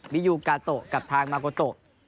ยูกาโตะกับทางมาโกโต